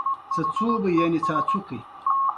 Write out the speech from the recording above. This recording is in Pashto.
هره ورځ دې له کبله لانجه وي.